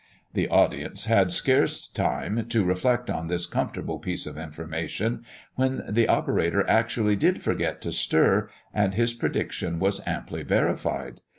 The audience had scarce had time to reflect on this comfortable piece of information, when the operator actually did forget to stir, and his prediction was amply verified.